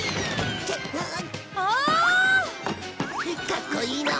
かっこいいの！